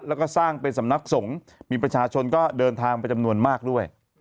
แล้วก็สร้างเป็นสำนักสงฆ์มีประชาชนก็เดินทางไปจำนวนมากด้วย